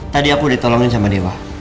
tadi aku ditolongin sama dewa